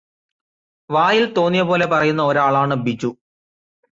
വായിൽ തോന്നിയ പോലെ പറയുന്ന ഒരാളാണ് ബിജു.